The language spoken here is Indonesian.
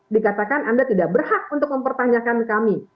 dikatakan anda tidak berhak untuk mempertanyakan kami